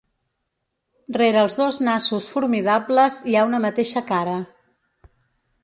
Rere els dos nassos formidables hi ha una mateixa cara.